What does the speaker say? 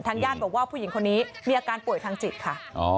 ญาติบอกว่าผู้หญิงคนนี้มีอาการป่วยทางจิตค่ะ